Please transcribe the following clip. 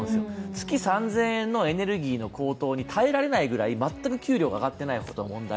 月３０００円のエネルギーの高騰に耐えられないぐらい、全く給料が上がっていないという問題。